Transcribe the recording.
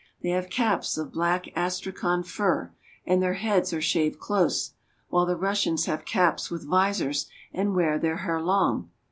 They have caps of black astrakhan fur, and their heads are shaved close; while the Russians have caps with visors, and wear their hair long.